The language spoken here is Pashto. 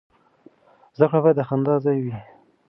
زده کړه باید د خندا ځای وي.